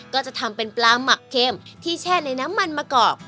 ก็จะทำเป็นปลาหมักเข็มที่แช่ในน้ำมันมะกอก